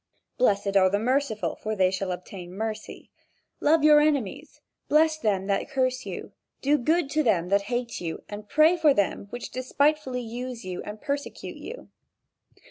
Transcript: "Blessed are the merciful: for they shall obtain mercy." "Love your enemies, bless them that curse you, do good to them that hate you and pray for them which despitefully use you and persecute you."